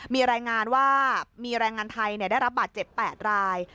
มีแรงงานไทยได้รับบัตร๗๘ราย